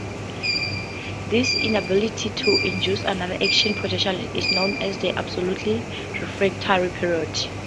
This inability to induce another action potential is known as the absolute refractory period.